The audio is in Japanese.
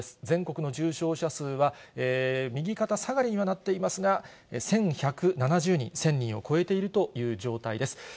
全国の重症者数は、右肩下がりにはなっていますが、１１７０人、１０００人を超えているという状態です。